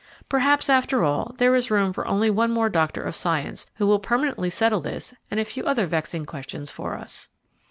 Perhaps, after all, there is room for only one more doctor of science who will permanently settle this and a few other vexing questions for us.